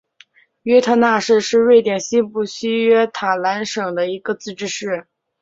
约特讷市是瑞典西部西约塔兰省的一个自治市。